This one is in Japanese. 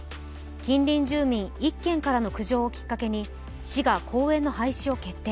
近隣住民１軒からの苦情をきっかけに市が公園の廃止を決定。